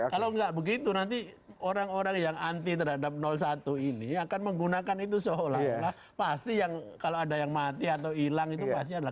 kalau nggak begitu nanti orang orang yang anti terhadap satu ini akan menggunakan itu seolah olah pasti yang kalau ada yang mati atau hilang itu pasti adalah